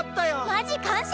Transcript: マジ感謝！